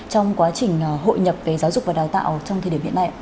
trong quá trình hội nhập giáo dục và đào tạo trong thời điểm hiện nay ạ